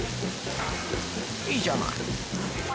いいじゃない。